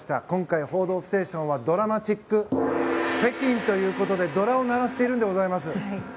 今回、「報道ステーション」は銅鑼マチック北京ということでドラを鳴らしているんでございます。